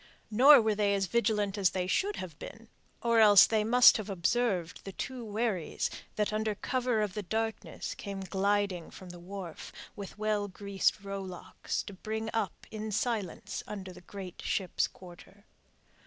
Nor were they as vigilant as they should have been, or else they must have observed the two wherries that under cover of the darkness came gliding from the wharf, with well greased rowlocks, to bring up in silence under the great ship's quarter.